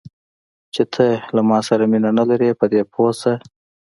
چې ته له ما سره مینه نه لرې، په دې پوه شه.